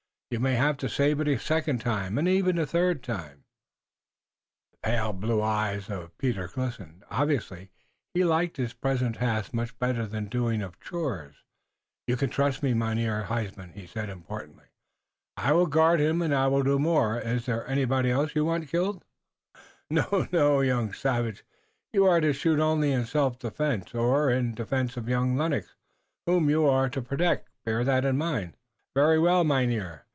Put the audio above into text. You may haf to save it a second und yet a third time." The pale blue eyes of Peter glistened. Obviously he liked his present task much better than the doing of chores. "You can trust me, Mynheer Huysman," he said importantly. "I will guard him, and I will do more. Is there anybody you want killed?" "No, no, you young savage! You are to shoot only in self defense, or in defense of young Lennox whom you are to protect. Bear that in mind." "Very well, Mynheer.